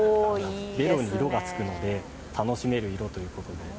ベロに色がつくので、楽しめる色ということで。